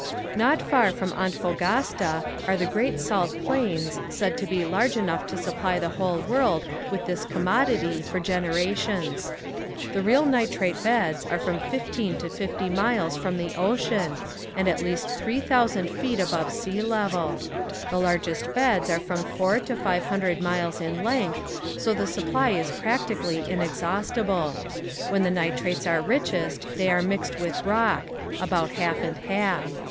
Not far from Antofagasta are the great salt plains, said to be large enough to supply the whole world with this commodity for generations. The real nitrate beds are from fifteen to fifty miles from the ocean and at least three thousand feet above sea level. The largest beds are from four to five hundred miles in length so the supply is practically inexhaustible. When the nitrates are richest they are mixed with rock about half and half.